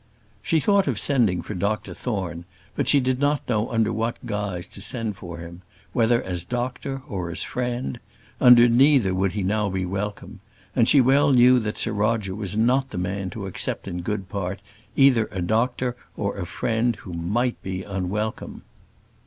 She thought of sending for Dr Thorne; but she did not know under what guise to send for him, whether as doctor or as friend: under neither would he now be welcome; and she well knew that Sir Roger was not the man to accept in good part either a doctor or a friend who might be unwelcome.